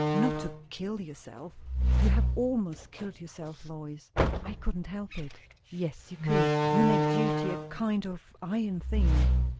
"Not to kill yourself. You have almost killed yourself, Lois." "I couldn't help it." "Yes, you could. You make duty a kind of iron thing."